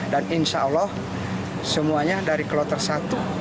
dan insya allah semuanya dari kloter satu